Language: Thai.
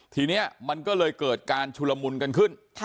ทีนี้มันก็เลยเกิดการชุลมุนกันขึ้น